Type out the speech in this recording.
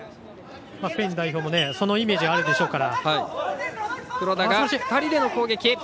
スペイン代表もそのイメージがあるでしょうから。